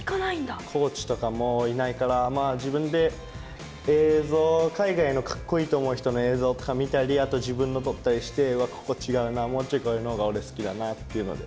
コーチとかもいないから自分で映像海外のカッコいいと思う人の映像とか見たりあと自分の撮ったりして「うわっここ違うな。もうちょいこれのほうが俺好きだな」っていうので。